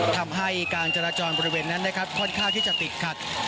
ทำให้การจราจรบริเวณนั้นนะครับค่อนข้างที่จะติดขัด